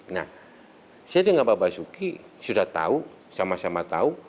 nah saya dengan pak basuki sudah tahu sama sama tahu